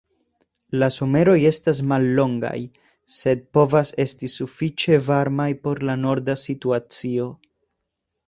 La someroj estas mallongaj, sed povas esti sufiĉe varmaj por la norda situacio.